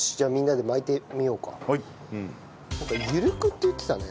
なんか緩くって言ってたね。